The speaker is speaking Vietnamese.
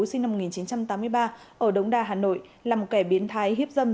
sinh năm một nghìn chín trăm tám mươi ba ở đống đa hà nội là một kẻ biến thái hiếp dâm